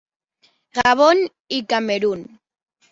Gabon i Camerun.